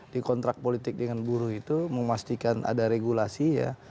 di kontrak politik dengan buruh itu memastikan ada regulasi ya